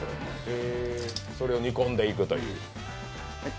それを煮込んでいくという。